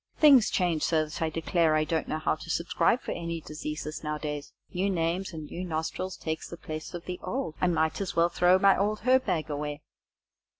Things change so that I declare I don't know how to subscribe for any diseases nowadays. New names and new nostrils takes the place of the old, and I might as well throw my old herb bag away."